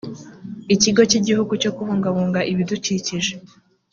ikigo cy igihugu cyo kubungabunga ibidukikije